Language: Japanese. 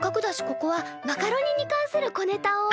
ここはマカロニに関する小ネタを。